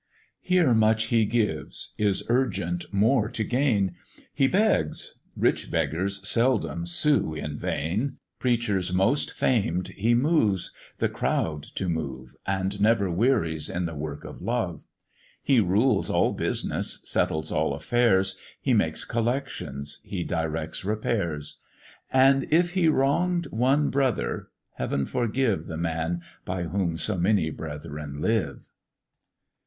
Here much he gives is urgent more to gain; He begs rich beggars seldom sue in vain: Preachers most famed he moves, the crowd to move, And never wearies in the work of love: He rules all business, settles all affairs; He makes collections, he directs repairs; And if he wrong'd one brother, Heav'n forgive The man by whom so many brethren live.